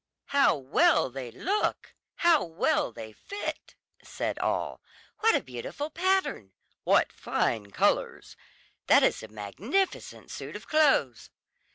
"How well they look! How well they fit!" said all. "What a beautiful pattern! What fine colours! That is a magnificent suit of clothes!"